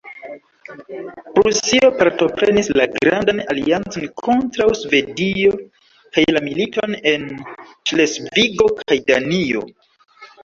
Prusio partoprenis la grandan aliancon kontraŭ Svedio kaj la militon en Ŝlesvigo kaj Danio.